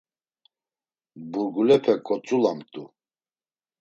Burgulepe kotzulamt̆u.